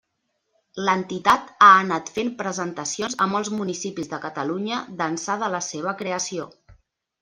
L'entitat ha anat fent presentacions a molts municipis de Catalunya d'ençà de la seva creació.